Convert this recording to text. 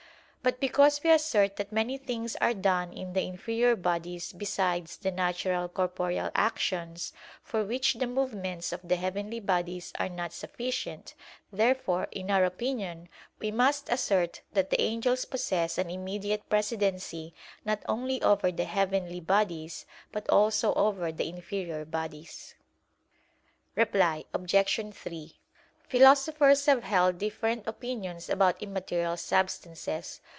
But because we assert that many things are done in the inferior bodies besides the natural corporeal actions, for which the movements of the heavenly bodies are not sufficient; therefore in our opinion we must assert that the angels possess an immediate presidency not only over the heavenly bodies, but also over the inferior bodies. Reply Obj. 3: Philosophers have held different opinions about immaterial substances.